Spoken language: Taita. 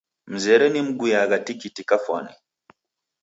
Mzere nimguyagha tikiti kafwani.